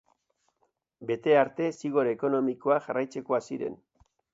Bete arte, zigor ekonomikoak jarraitzekoak ziren.